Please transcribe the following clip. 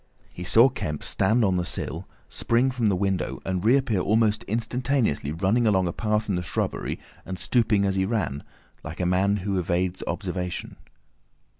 He saw Kemp stand on the sill, spring from the window, and reappear almost instantaneously running along a path in the shrubbery and stooping as he ran, like a man who evades observation.